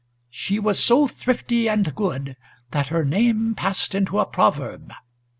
She was so thrifty and good, that her name passed into a proverb.